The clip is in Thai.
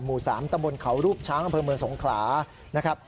หมู่สามตะบนเขารูปช้างเมืองสงขานะครับ